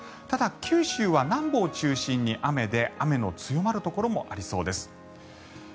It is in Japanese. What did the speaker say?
ただ、九州は南部を中心に雨で雨の強まるところもありそうです。